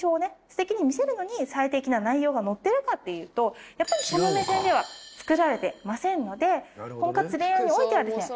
すてきに見せるのに最適な内容が載ってるかっていうとやっぱりその目線では作られてませんので婚活恋愛においてはですね